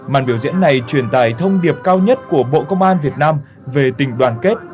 màn biểu diễn này truyền tải thông điệp cao nhất của bộ công an việt nam về tình đoàn kết